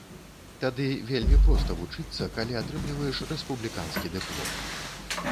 Тады вельмі проста вучыцца, калі атрымліваеш рэспубліканскі дыплом.